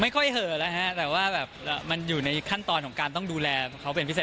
ค่อยเหอะแล้วฮะแต่ว่าแบบมันอยู่ในขั้นตอนของการต้องดูแลเขาเป็นพิเศษ